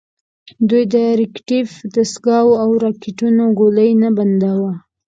دوی د ریکتیف دستګاوو او راکېټونو ګولۍ نه بنداوه.